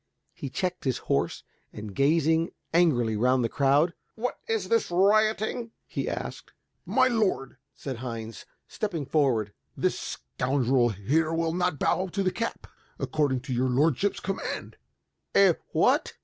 He checked his horse and, gazing angrily round the crowd, "What is this rioting?" he asked. "My lord," said Heinz, stepping forward, "this scoundrel here will not bow to the cap, according to your lordship's command." "Eh, what?"